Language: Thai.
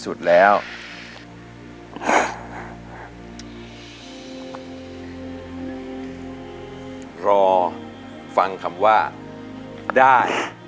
เพื่อรับรองเหมือนเดิม